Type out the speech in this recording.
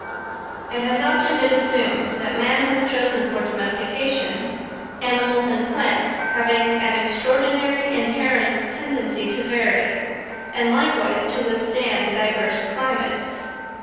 It has often been assumed that man has chosen for domestication animals and plants having an extraordinary inherent tendency to vary, and likewise to withstand diverse climates.